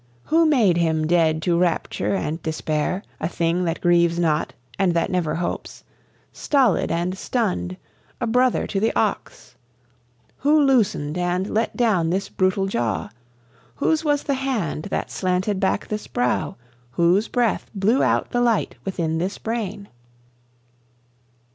Who made him dead to rapture and despair, A thing that grieves not and that never hopes, Stolid and stunned, a brother to the ox? Who loosened and let down this brutal jaw? Whose was the hand that slanted back this brow? Whose breath blew out the light within this brain?